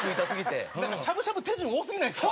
なんかしゃぶしゃぶ手順多すぎないですか？